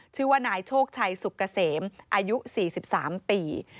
ชื่อว่านายโชคชัยสุกเกษมอายุ๔๓ปี